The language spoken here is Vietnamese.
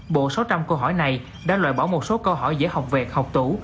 bộ sáu trăm linh câu hỏi này đã loại bỏ một số câu hỏi dễ học về học tủ